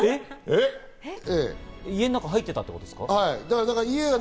家の中に入ってたってことですか？